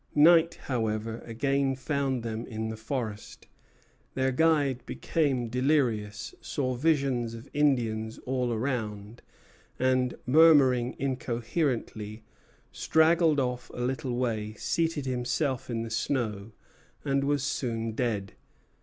Night, however, again found them in the forest. Their guide became delirious, saw visions of Indians all around, and, murmuring incoherently, straggled off a little way, seated himself in the snow, and was soon dead.